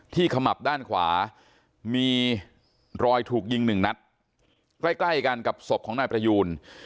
ที่ขมับด้านขวามีรอยถูกยิง๑นัดใกล้กันกับศพของนายประยูน